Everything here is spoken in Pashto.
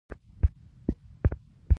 د شنبې ورځې ته خالي وایی